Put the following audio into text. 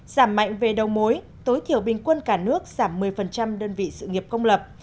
giảm mạnh về đầu mối tối thiểu bình quân cả nước giảm một mươi đơn vị sự nghiệp công lập